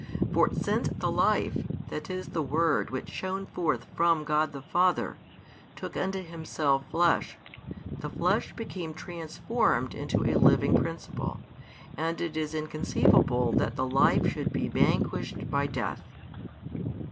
For since the Life, that is the Word which shone forth from God the Father, took unto Himself flesh, the flesh became transformed into a living principle, and it is inconceivable that the life should be vanquished by death.